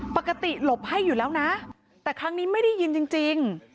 ปกติหลบให้อยู่แล้วนะแต่ครั้งนี้ไม่ได้ยินจริง